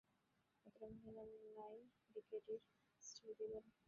ভদ্রমহিলা lie detector test দিলেন।